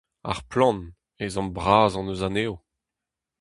Ar plant : ezhomm bras hon eus anezho !